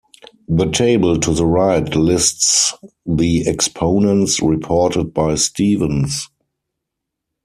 The table to the right lists the exponents reported by Stevens.